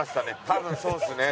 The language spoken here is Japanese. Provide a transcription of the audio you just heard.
多分そうですね。